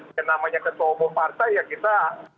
yang namanya ketua umum partai ya kita